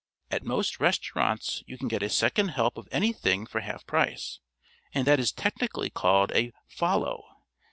At most restaurants you can get a second help of anything for half price, and that is technically called a 'follow.'